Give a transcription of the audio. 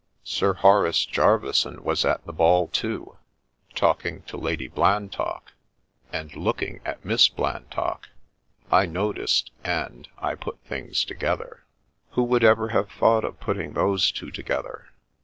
Sir Horace Jerveyson was at the ball, too." Talking to Lady Blantock." And looking at Miss Blantock. I noticed, and — I put things together." " Who would ever have thought of putting those two together